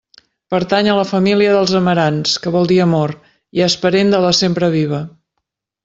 Pertany a la família dels amarants, que vol dir amor, i és parent de la sempreviva.